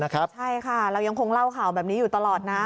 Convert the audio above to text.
ใช่ค่ะเรายังคงเล่าข่าวแบบนี้อยู่ตลอดนะ